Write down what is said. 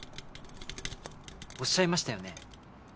おっしゃいましたよね？